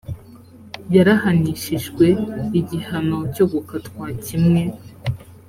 yarahanishijwe igihano cyo gukatwa kimwe